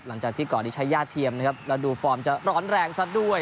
หลังจากที่ก่อนที่ใช้ย่าเทียมนะครับแล้วดูฟอร์มจะร้อนแรงซะด้วย